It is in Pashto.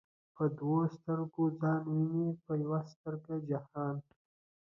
په دوو ستر گو ځان ويني په يوه سترگه جهان